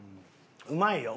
うまいよ。